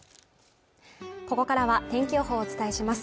ここからは天気予報をお伝えします